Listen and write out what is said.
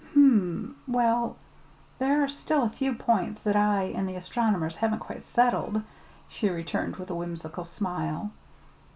"Hm m; well, there are still a few points that I and the astronomers haven't quite settled," she returned, with a whimsical smile.